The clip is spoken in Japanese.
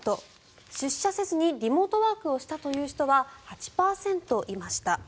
出社せずにリモートワークをしたという人は８％いました。